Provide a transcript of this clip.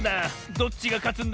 どっちがかつんだ？